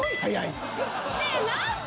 ねえ何で？